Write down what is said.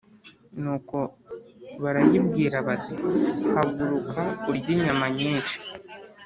Nuko barayibwira bati haguruka urye inyama nyinshi